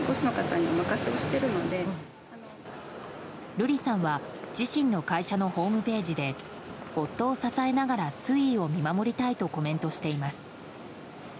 瑠麗さんは自身の会社のホームページで夫を支えながら推移を見守りたいとコメントしています。